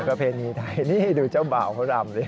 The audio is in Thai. กระเพณีไทยนี่ดูเจ้าบ่าวพระรำ